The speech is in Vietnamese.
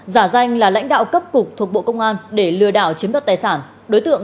giả danh là lãnh đạo cấp cục thuộc bộ công an để lừa đảo chiếm đoạt tài sản